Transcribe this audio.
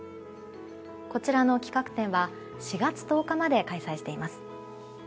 こちらの企画展は４月１０日まで開催しています。